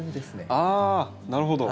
あなるほど。